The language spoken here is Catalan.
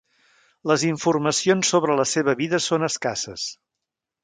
Les informacions sobre la seva vida són escasses.